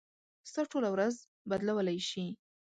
ستا ټوله ورځ بدلولی شي.